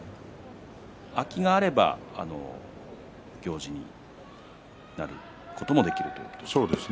空きがあれば行司になることもできるということです。